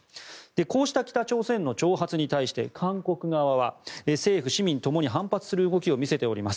こうした北朝鮮の挑発に対して韓国側は政府、市民ともに反発する動きを見せております。